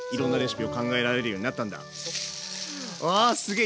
ああすげえ！